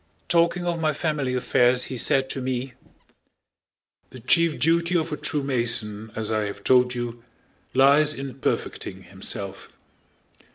Talking of my family affairs he said to me, "the chief duty of a true Mason, as I have told you, lies in perfecting himself.